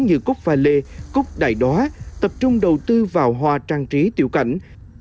như cúc và lê cúc đài đóa tập trung đầu tư vào hoa trang trí tiểu cảnh